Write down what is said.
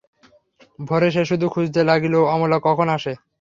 ভোরে সে শুধু খুঁজতে লাগিল অমলা কখন আসে।